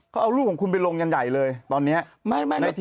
เขาเอารูปของคุณไปลงกันใหญ่เลยตอนนี้